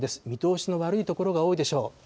見通しの悪い所が多いでしょう。